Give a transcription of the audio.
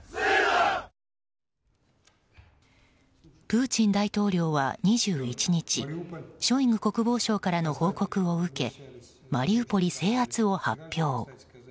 プーチン大統領は、２１日ショイグ国防相からの報告を受けマリウポリ制圧を発表。